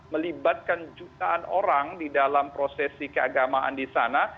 melibatkan jutaan orang di dalam prosesi keagamaan di sana